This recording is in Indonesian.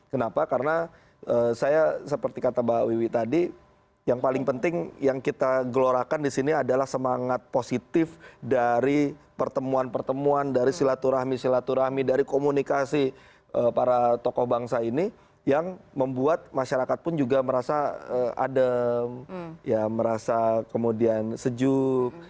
kenapa karena saya seperti kata mbak wiwi tadi yang paling penting yang kita gelorakan di sini adalah semangat positif dari pertemuan pertemuan dari silaturahmi silaturahmi dari komunikasi para tokoh bangsa ini yang membuat masyarakat pun juga merasa adem merasa kemudian sejuk